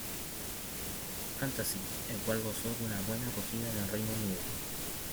Fantasy", el cual gozó de una buena acogida en Reino Unido.